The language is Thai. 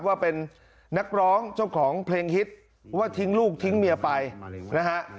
ว่าเป็นนักร้องเจ้าของเพลงฮิตว่าทิ้งลูกทิ้งเมียไปนะฮะ